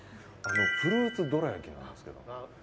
フルーツどら焼きなんですけど。